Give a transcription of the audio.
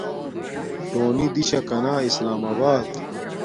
شونی دیشاکا نا اسلام آبات